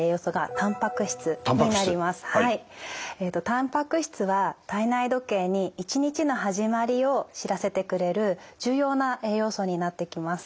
たんぱく質は体内時計に一日の始まりを知らせてくれる重要な栄養素になってきます。